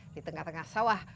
di tengah tengah sawah